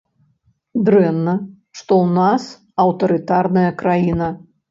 Дрэнна, што ў нас аўтарытарная краіна.